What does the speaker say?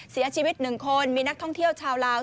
เสียชีวิต๑คนมีนักท่องเที่ยวชาวลาว